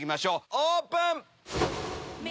オープン！